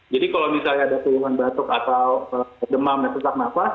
jadi kalau misalnya ada keinginan batuk atau demam dan kesak nafas